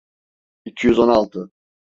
İki yüz on altı